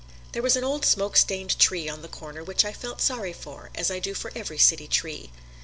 There was an old smoke stained tree on the corner which I felt sorry for, as I do for every city tree.